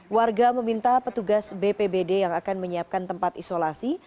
warga meminta petugas bpbd yang akan menyiapkan tempat isolasi